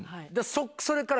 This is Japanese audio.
それからが。